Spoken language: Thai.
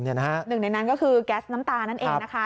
หนึ่งในนั้นก็คือแก๊สน้ำตานั่นเองนะคะ